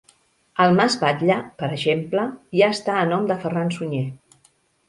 El mas Batlle, per exemple, ja està a nom de Ferran Sunyer.